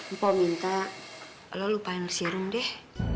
mpok minta lo lupain si rum deh